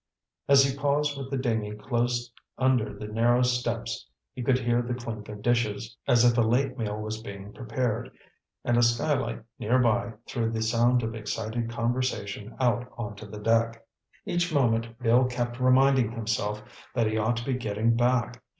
As he paused with the dinghy close under the narrow steps, he could hear the clink of dishes, as if a late meal was being prepared; and a skylight nearby threw the sound of excited conversation out on to the deck. Each moment Bill kept reminding himself that he ought to be getting back.